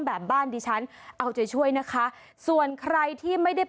ฮัลโหลฮัลโหลฮัลโหลฮัลโหลฮัลโหลฮัลโหล